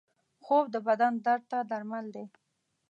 خوب د بدن درد ته درمل دی